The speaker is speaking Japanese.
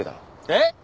えっ！？